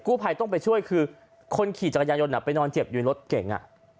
ผู้ภัยต้องไปช่วยคือคนขี่จักรยานยนไปนอนเจ็บอยู่ในรถเก่ง